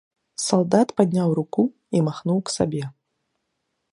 Салдат падняў руку і махнуў к сабе.